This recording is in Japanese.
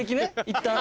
いったん。